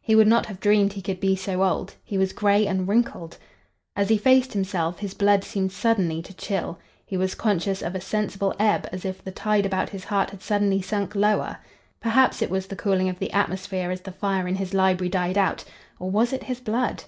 He would not have dreamed he could be so old. He was gray and wrinkled. As he faced himself his blood seemed suddenly to chill. He was conscious of a sensible ebb as if the tide about his heart had suddenly sunk lower. Perhaps, it was the cooling of the atmosphere as the fire in his library died out,—or was it his blood?